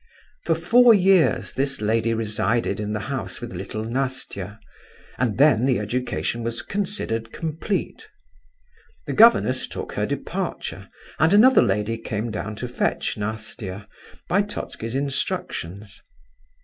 For four years this lady resided in the house with little Nastia, and then the education was considered complete. The governess took her departure, and another lady came down to fetch Nastia, by Totski's instructions.